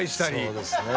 そうですね。